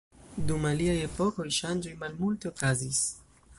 Dum aliaj epokoj, ŝanĝoj malmulte okazis.